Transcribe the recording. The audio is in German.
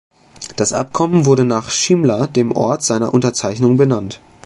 Das Abkommen wurde nach Shimla, dem Ort seiner Unterzeichnung, benannt.